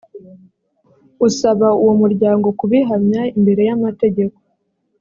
usaba uwo muryango kubihamya imbere y’amategeko